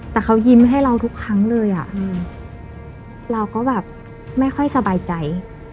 แต่เขายิ้มให้เราทุกครั้งเลยอ่ะเราก็แบบไม่ค่อยสบายใจ